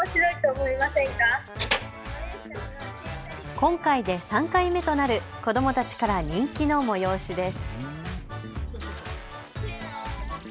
今回で３回目となる子どもたちから人気の催しです。